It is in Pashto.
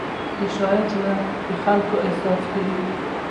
د شاعر زړه د خلکو احساس ښيي.